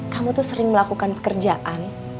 kamu tuh sering melakukan pekerjaan